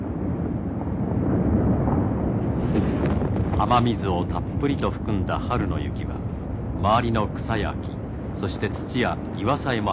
雨水をたっぷりと含んだ春の雪は周りの草や木そして土や岩さえも剥ぎ取ってしまいます。